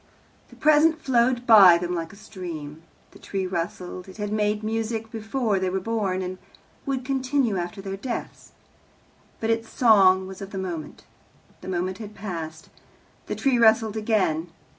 The present flowed by them like a stream. The tree rustled. It had made music before they were born, and would continue after their deaths, but its song was of the moment. The moment had passed. The tree rustled again.